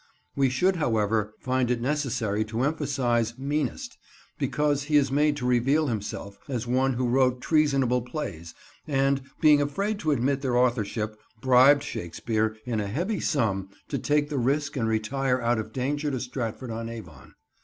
We should, however, find it necessary to emphasise "meanest," because he is made to reveal himself as one who wrote treasonable plays, and, being afraid to admit their authorship, bribed Shakespeare in a heavy sum to take the risk and retire out of danger to Stratford on Avon.